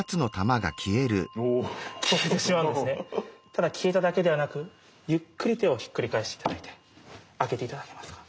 ただ消えただけではなくゆっくり手をひっくり返して頂いて開けて頂けますか？